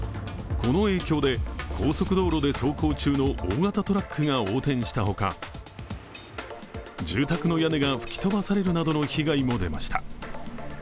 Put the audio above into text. この影響で、高速道路で走行中の大型トラックが横転したほか、住宅の屋根が吹き飛ばされるなどの被害も出ました。